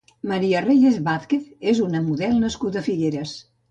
María Reyes Vázquez és una model nascuda a Figueres.